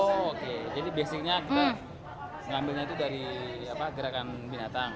oh oke jadi basicnya kita ngambilnya itu dari gerakan binatang